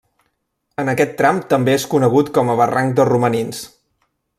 En aquest tram també és conegut com a Barranc de Romanins.